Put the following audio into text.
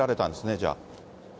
じゃあ。